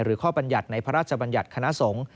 หรือข้อบัญญัติในพระราชบัญญัติคณะสง